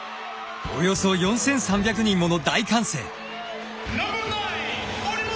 およそ４，３００人もの大歓声。